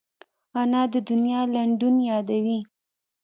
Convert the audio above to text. انا د دنیا لنډون یادوي